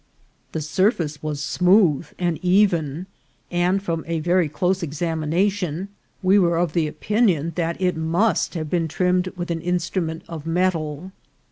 The surface was smooth and even, and from a very close examination we were of 260 INCIDENTS OF TRAVEL. the opinion that it must ha ire been trimmed with an in strument of metal.